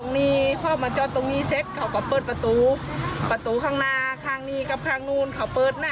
นี่พ่อมาจอดตรงนี้เสร็จเขาก็เปิดประตูประตูข้างหน้าข้างนี้กับข้างนู้นเขาเปิดหน้า